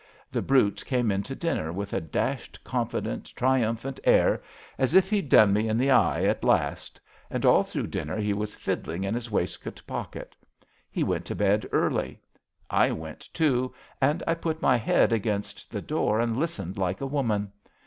The brute came in to dinner with a dashed confident, tri umphant air, as if he'd done me in the eye at last; and all through dinner he was fiddling in his waistcoat pocket. He went to bed early. I went, too, and I put my head against the door and listened like a woman.